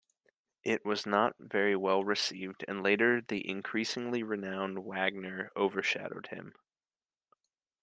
It was not very well received, and later the increasingly renowned Wagner overshadowed him.